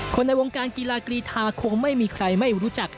ในวงการกีฬากรีธาคงไม่มีใครไม่รู้จัก